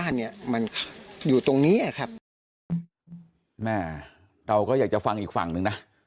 เราก็อยากจะฟังอีกฝั่งนึงนะ